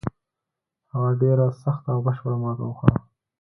هغه ډېره سخته او بشپړه ماته وخوړه.